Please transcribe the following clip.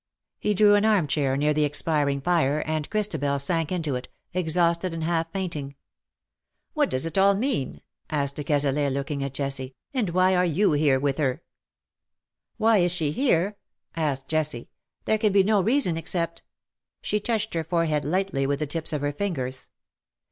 He drew an armchair near the expiring fire, and Christabel sank into it, exhausted and half fainting. " What does it all mean V asked de Cazalet^ looking at Jessie, '' and why are you here with her?^^ '^ Why is she here ?" asked Jessie. " There can be no reason except " She touched her forehead lightly with the tips of her fingers.